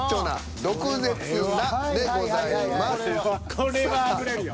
これはあぶれるよ。